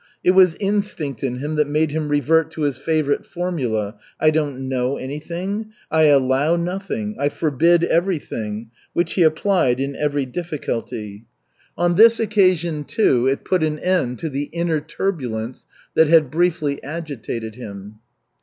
It was instinct in him that made him revert to his favorite formula: "I don't know anything, I allow nothing, I forbid everything," which he applied in every difficulty. On this occasion, too, it put an end to the inner turbulence that had briefly agitated him.